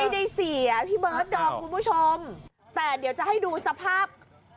เสียพี่เบิร์ดดอมคุณผู้ชมแต่เดี๋ยวจะให้ดูสภาพ